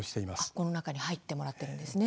この中に入ってもらってるんですね。